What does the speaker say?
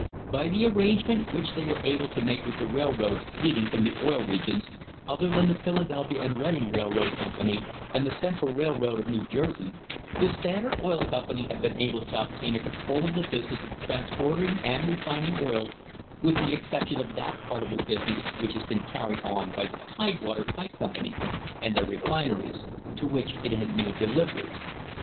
By the arrangement which they were able to make with the railroads leading from the Oil Regions, other than the Philadelphia and Reading Railroad Company and the Central Railroad of New Jersey, the Standard Oil Company have been able to obtain a control of the business of transporting and refining oil, with the exception of that part of the business which has been carried on by the Tidewater Pipe Company and their refineries, to which it had made deliveries.